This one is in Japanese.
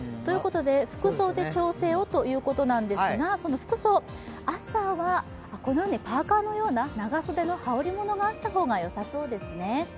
服装で調整をということなんですが、その服装、朝はこのようにパーカーのような長袖の羽織り物があった方がよさそうですね。